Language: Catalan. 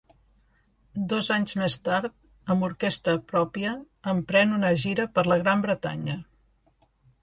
Dos anys més tard, amb orquestra pròpia, emprèn una gira per la Gran Bretanya.